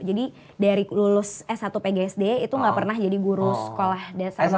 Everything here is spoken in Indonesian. jadi dari lulus s satu pgsd itu gak pernah jadi guru sekolah dasar